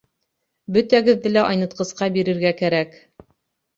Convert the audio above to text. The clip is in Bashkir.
Бөтәгеҙҙе лә айнытҡысҡа бирергә кәрәк.